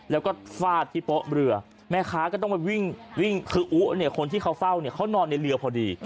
แล้วก็ฟาดที่โป๊ะเรือแม่ค้าก็ต้องไปวิ่งคืออุ๊เนี่ยคนที่เขาเฝ้าเนี่ยเขานอนในเรือพอดี